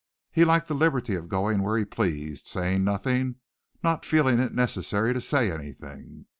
He liked the liberty of going where he pleased, saying nothing, not feeling it necessary to say anything.